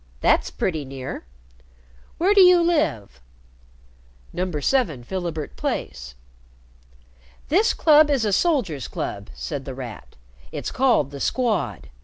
That's pretty near. Where do you live?" "No. 7 Philibert Place." "This club is a soldiers' club," said The Rat. "It's called the Squad.